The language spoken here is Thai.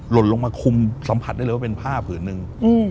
หล่นลงมาคุมสัมผัสได้เลยว่าเป็นผ้าผืนหนึ่ง